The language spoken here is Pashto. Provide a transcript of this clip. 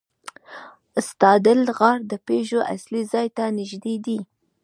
ستادل غار د پيژو اصلي ځای ته نږدې دی.